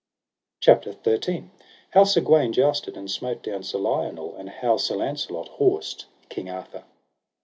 CHAPTER XIII. How Sir Gawaine jousted and smote down Sir Lionel, and how Sir Launcelot horsed King Arthur.